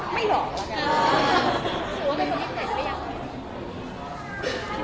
ไม่หรอกไม่อยากดู